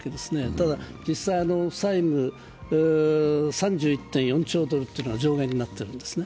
ただ、実際、債務３１．４兆ドルというのが上限になってるんですね。